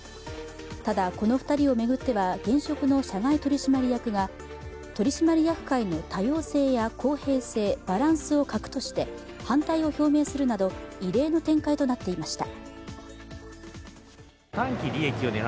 ただ、この２人を巡っては現職の社外取締役が取締役会の多様性や公平性バランスを欠くとして反対を表明するなど異例の展開となっていました。